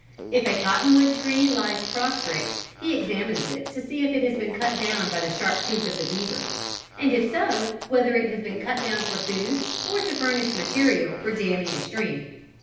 If a cotton wood tree lies prostrate he examines it to see if it has been cut down by the sharp tooth of the beaver; and if so whether it has been cut down for food or to furnish material for damming a stream.